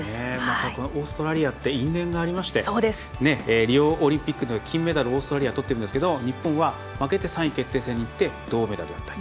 オーストラリアって因縁がありましてリオオリンピックでは金メダルをオーストラリアがとっていますが日本は負けて３位決定戦で銅メダルだったり。